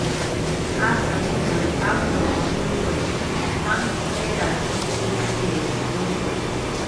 Acxamuñanh amruw yuriwi, janq' tz'irar illkirillkiriw yuriwi